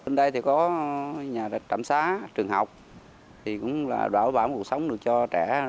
lên đây thì có nhà trạm xá trường học thì cũng là đảo bảo cuộc sống được cho trẻ